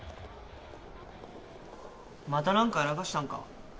また何かやらかしたんか？